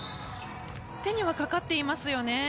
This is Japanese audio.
手にはかかっていますよね。